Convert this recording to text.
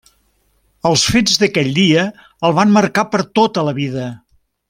Els fets d'aquell dia el van marcar per tota la vida.